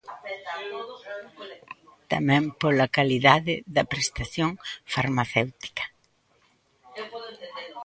Tamén pola calidade da prestación farmacéutica.